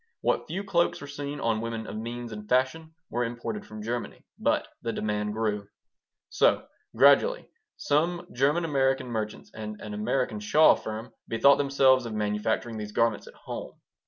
What few cloaks were seen on women of means and fashion were imported from Germany. But the demand grew. So, gradually, some German American merchants and an American shawl firm bethought themselves of manufacturing these garments at home.